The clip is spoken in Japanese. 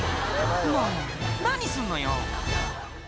「もう何すんのよ」